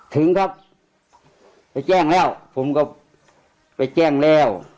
ถึงครับไปแจ้งแล้วผมก็ไปแจ้งแล้ว